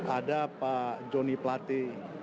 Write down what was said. ada pak jonny plate